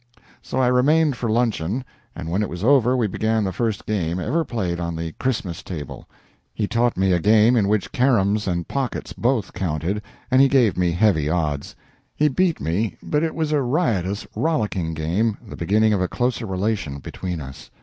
So I remained for luncheon, and when it was over we began the first game ever played on the "Christmas" table. He taught me a game in which caroms and pockets both counted, and he gave me heavy odds. He beat me, but it was a riotous, rollicking game, the beginning of a closer relation between us.